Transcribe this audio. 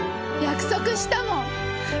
約束したもん。